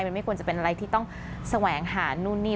มันไม่ควรจะเป็นอะไรที่ต้องแสวงหานู่นนี่